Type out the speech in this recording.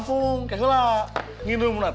makanya jangan berkicau terus